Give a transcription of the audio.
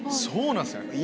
そうなんですね。